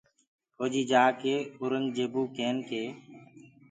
ڦوجيٚ جآڪي اورنٚگجيبو ڪين ڪي